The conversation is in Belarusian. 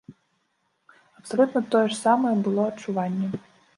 Абсалютна тое ж самае было адчуванне.